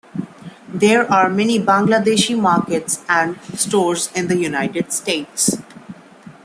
There are many Bangladeshi markets and stores in the United States.